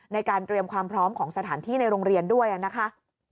ในการเตรียมความพร้อมของสถานที่ในโรงเรียนด้วยนะคะ